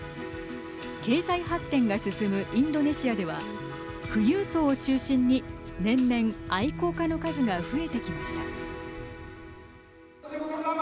経済発展が進むインドネシアでは富裕層を中心に年々愛好家の数が増えてきました。